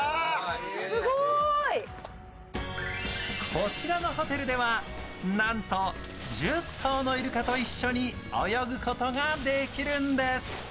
こちらのホテルでは、なんと１０頭のイルカと一緒に泳ぐことができるんです。